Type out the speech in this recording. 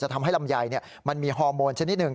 ทำให้ลำไยมันมีฮอร์โมนชนิดหนึ่ง